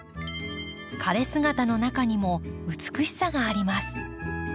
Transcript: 枯れ姿の中にも美しさがあります。